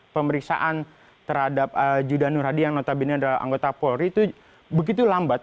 pemeriksaan terhadap judah nur hadi yang notabene adalah anggota polri itu begitu lambat